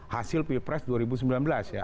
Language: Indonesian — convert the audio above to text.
hasil pilpres dua ribu sembilan belas ya